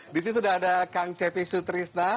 di sini sudah ada kang cepi sutrisna